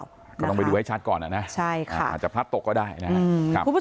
ก็ต้องไปดูให้ชัดก่อนนะใช่ค่ะอาจจะพลัดตกก็ได้นะครับ